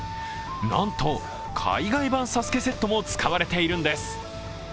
なんと海外版ＳＡＳＵＫＥセットも使われているんです。